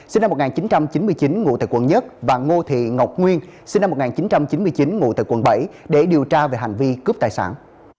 sinh năm một nghìn chín trăm chín mươi chín ngụ tại quận một và ngô thị ngọc nguyên sinh năm một nghìn chín trăm chín mươi chín ngụ tại quận bảy để điều tra về hành vi cướp tài sản